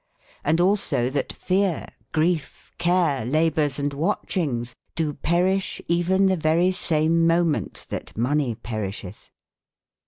Hnd also tbat feare, griefe, care, laboures, andwatcbinges, doperisb even tbe very same moment tbat money perisbetb?